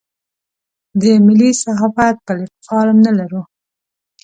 د ملي صحافت پلیټ فارم نه لرو.